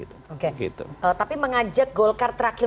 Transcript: tapi mengajak golkar terakhir